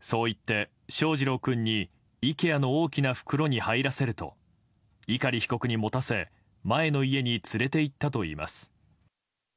そう言って翔士郎君にイケアの大きな袋に入らせると碇被告に持たせ前の家に連れて行ったといいます。